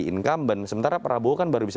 incumbent sementara prabowo kan baru bisa